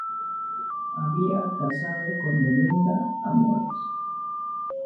Había casado con Dominga Amores.